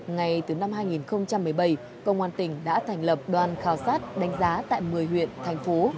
ngay từ năm hai nghìn một mươi bảy công an tỉnh đã thành lập đoàn khảo sát đánh giá tại một mươi huyện thành phố